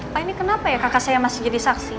pak ini kenapa ya kakak saya masih jadi saksi